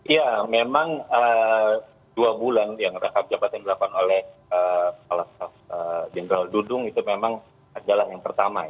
ya memang dua bulan yang rangkap jabatan dilakukan oleh jenderal dudung itu memang adalah yang pertama